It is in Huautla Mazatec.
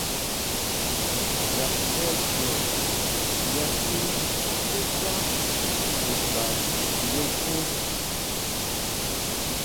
Ngandé chu nyají sixá chuta nchujun.